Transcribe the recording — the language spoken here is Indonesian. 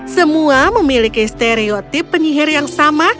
semua memiliki stereotip penyihir yang sama